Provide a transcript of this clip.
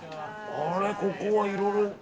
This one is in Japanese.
ここはいろいろ。